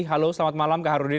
halo selamat malam kak harudin